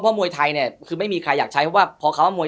เพราะมวยไทยเนี่ยคือไม่มีใครอยากใช้เพราะว่าพอคำว่ามวย